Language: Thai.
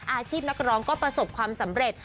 อาชีพนักร้องก็ประสบความสำเร็จ